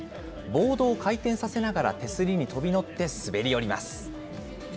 ボードを回転させながら手すりに飛び乗って滑り降ります。